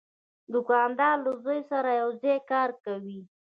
دوکاندار له زوی سره یو ځای کار کوي.